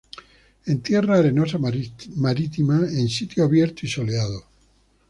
En tierra arenosa marítima, en sitio abierto y soleado.